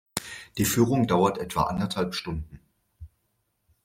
Die Führung dauert etwa anderthalb Stunden.